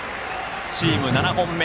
チーム７本目。